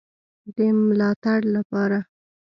د ملاتړ لپاره